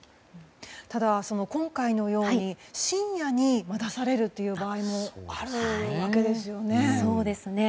ただ、今回のように深夜に出されるという場合もあるわけですよね。